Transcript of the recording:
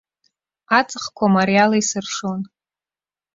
Аҵхқәа мариала исыршон.